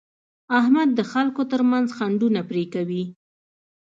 احمد د خلکو ترمنځ خنډونه پرې کوي.